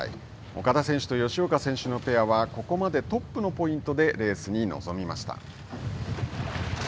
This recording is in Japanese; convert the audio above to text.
岡田選手と吉岡選手のペアはここまでトップのポイントでレースに臨みました。